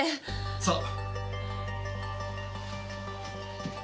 さあ。